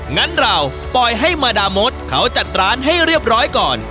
งั้นเราปล่อยให้มาดามดเขาจัดร้านให้เรียบร้อยก่อน